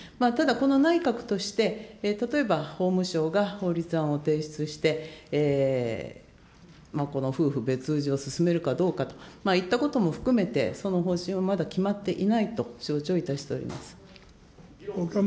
ただこの内閣として、例えば法務省が法律案を提出して、この夫婦別氏を進めるかどうかといったことも含めて、その方針もまだ決まっていないと承知をいたしております。